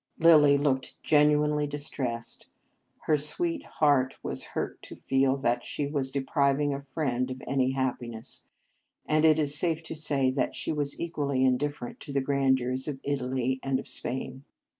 Lilly looked genuinely dis tressed. Her sweet heart was hurt to feel that she was depriving a friend of any happiness, and it is safe to say that she was equally indifferent to the grandeurs of Italy and of Spain.